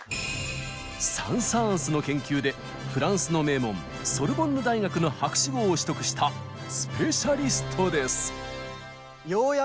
サン・サーンスの研究でフランスの名門ソルボンヌ大学の博士号を取得したスペシャリストです。